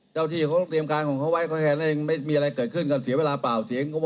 เจ้าที่ร้องเตรียมการของเขาไว้